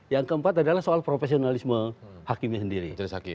yang keempat adalah soal profesionalisme hakimnya sendiri